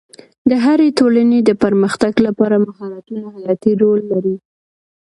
د هرې ټولنې د پرمختګ لپاره مهارتونه حیاتي رول لري.